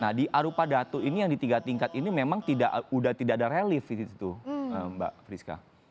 nah di arupa datu ini yang di tiga tingkat ini memang sudah tidak ada relief itu mbak priska